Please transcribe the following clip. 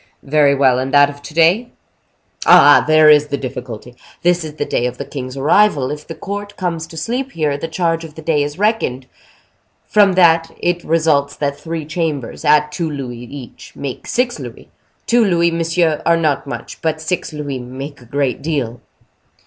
"Very well; and that of to day?" "Ah! there is the difficulty. This is the day of the king's arrival; if the court comes to sleep here, the charge of the day is reckoned. From that it results that three chambers, at two louis each, make six louis. Two louis, monsieur, are not much; but six louis make a great deal."